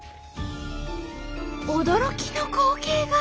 驚きの光景が。